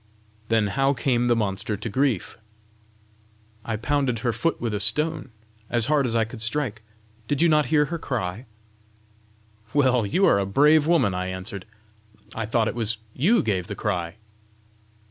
"Then how came the monster to grief?" "I pounded her foot with a stone as hard as I could strike. Did you not hear her cry?" "Well, you are a brave woman!" I answered. "I thought it was you gave the cry!"